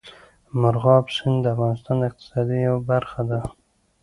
مورغاب سیند د افغانستان د اقتصاد یوه برخه ده.